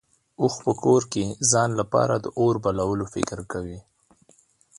اوښ په کور کې ځان لپاره د اور بلولو فکر کوي.